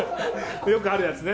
よくあるやつね。